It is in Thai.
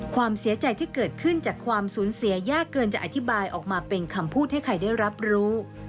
ความเสียใจที่เกิดขึ้นจากความสูญเสียยากเกินจะอธิบายออกมาเป็นคำพูดให้ใครได้รับรู้